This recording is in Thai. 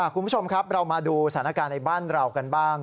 คุณผู้ชมครับเรามาดูสถานการณ์ในบ้านเรากันบ้าง